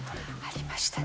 ありましたね。